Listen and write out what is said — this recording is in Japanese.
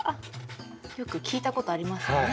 よく聞いたことありますよね。